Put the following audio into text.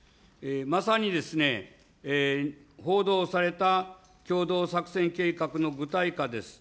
まさにですね、報道された共同作戦計画の具体化です。